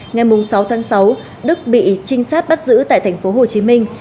ngày sáu tháng sáu đức bị trinh sát bắt giữ tại tp hồ chí minh